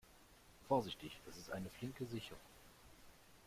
Vorsichtig, es ist eine flinke Sicherung.